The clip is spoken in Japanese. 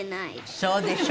そうでしょうね。